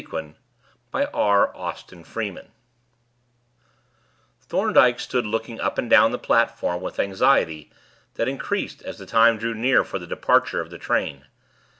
IV THE BLUE SEQUIN Thorndyke stood looking up and down the platform with anxiety that increased as the time drew near for the departure of the train.